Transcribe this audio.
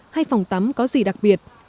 hay phòng tắm có gì đặc biệt